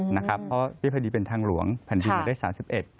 นะครับเพราะพิพธิเป็นทางหลวงค่ะแผ่นดินเลขสามสิบเอ็ด